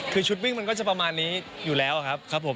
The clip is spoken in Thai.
คือชุดวิ่งมันก็จะประมาณนี้อยู่แล้วครับผม